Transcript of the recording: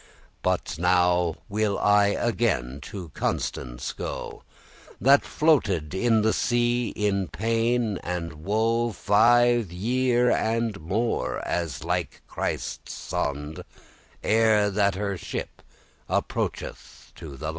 But now will I again to Constance go, That floated in the sea in pain and woe Five year and more, as liked Christe's sond,* *decree, command Ere that her ship approached to the lond.